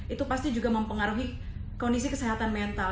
itu pasti juga mempengaruhi kondisi kesehatan mental